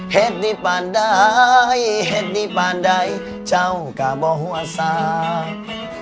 เหตุดีปันใดเหตุดีปันใดเจ้าก็บ่หัวสาก